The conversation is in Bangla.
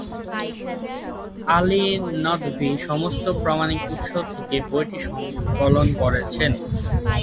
আলী নদভী সমস্ত প্রামাণিক উৎস থেকে বইটি সংকলন করেছেন।